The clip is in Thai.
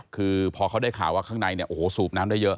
คือพอเขาได้ข่าวว่าข้างในสูบน้ำได้เยอะ